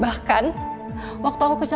bahkan waktu akuoksr belacan